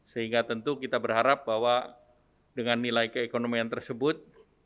sehingga tentu kita berharap bahwa dengan nilai keekonomian tersebut